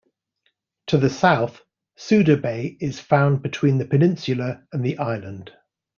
To the south, Souda Bay is found between the peninsula and the island.